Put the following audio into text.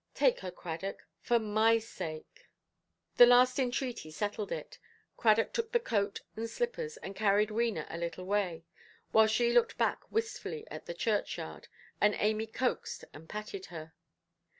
Take her, Cradock, for my sake". The last entreaty settled it. Cradock took the coat and slippers, and carried Wena a little way, while she looked back wistfully at the churchyard, and Amy coaxed and patted her.